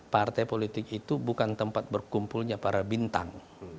partai politik itu bukan tempat berkumpulnya para bintang